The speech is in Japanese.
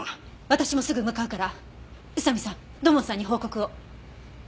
私もすぐ向かうから宇佐見さん土門さんに報告を。